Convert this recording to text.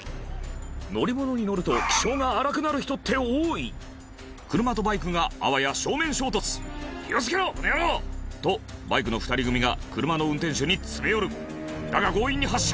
乗り物に乗ると気性が荒くなる人って多い車とバイクがあわや正面衝突「気を付けろこの野郎！」とバイクの２人組が車の運転手に詰め寄るだが強引に発車！